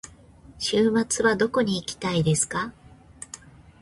週末はどこに行きたいですか。